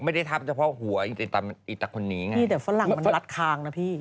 ไม่ได้ทับเฉพาะหัวอีตาคนนี้ไงมีแต่ฝรั่งมันรัดคางนะพี่